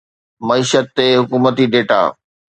معيشت تي حڪومتي ڊيٽا